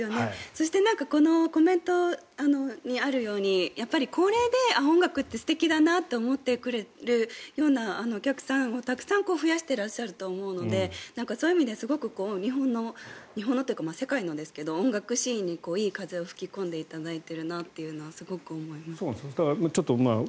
そして、コメントにあるようにやっぱりこれで音楽って素敵だなって思ってくれるようなお客さんもたくさん増やしていらっしゃると思うのでそういう意味ですごく日本の日本っていうか世界のですが音楽シーンにいい風を吹き込んでいただいているなというのはすごく思います。